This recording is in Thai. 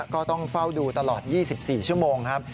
ก็ต้องเฝ้าดูตลอด๒๔ชั่วโมงครับ